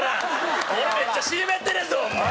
俺めっちゃＣＭやってんねんぞホンマ！